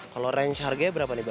kalau range harganya berapa nih bu